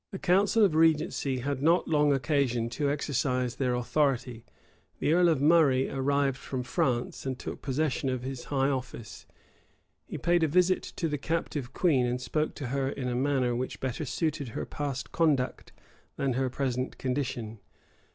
430 The council of regency had not long occasion to exercise their authority. The earl of Murray arrived from France, and took possession of his high office. He paid a visit to the captive queen, and spoke to her in a manner which better suited her past conduct than her present condition.